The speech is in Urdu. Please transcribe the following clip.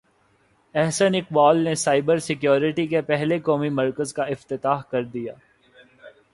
احسن اقبال نے سائبر سیکیورٹی کے پہلے قومی مرکز کا افتتاح کر دیا